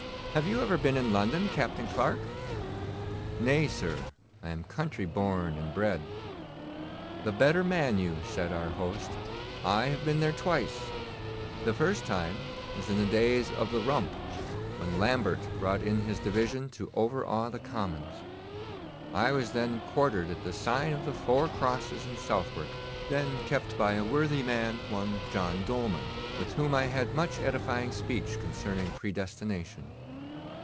Have you ever been in London, Captain Clarke?' 'Nay, sir; I am country born and bred.' 'The better man you,' said our host. 'I have been there twice. The first time was in the days of the Rump, when Lambert brought in his division to overawe the Commons. I was then quartered at the sign of the Four Crosses in Southwark, then kept by a worthy man, one John Dolman, with whom I had much edifying speech concerning predestination.